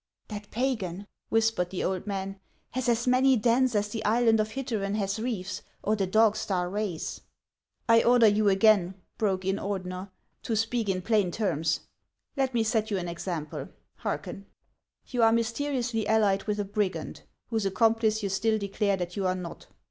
"" That pagan," whispered the old man, " has as many dens as the island of Hittereu has reefs, or the dog star rays." " I order you again," broke in Ordener, " to speak in plain terms. Let me set you an example ; hearken. You are mysteriously allied with a brigand, whose accomplice you still declare that you are not.